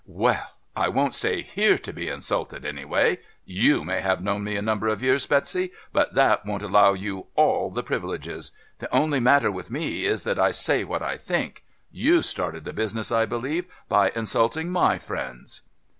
"Well, I won't stay here to be insulted, anyway. You may have known me a number of years, Betsy, but that doesn't allow you all the privileges. The only matter with me is that I say what I think. You started the business, I believe, by insulting my friends."